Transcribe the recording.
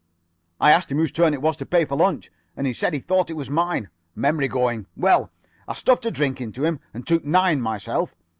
I asked him whose turn it was to pay for lunch, and he said he thought it was mine. Memory going. Well, I stuffed a drink into him and took nine myself.